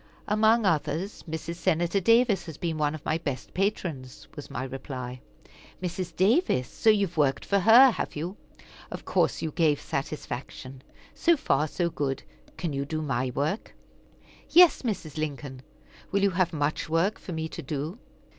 "Among others, Mrs. Senator Davis has been one of my best patrons," was my reply. "Mrs. Davis! So you have worked for her, have you? Of course you gave satisfaction; so far, good. Can you do my work?" "Yes, Mrs. Lincoln. Will you have much work for me to do?"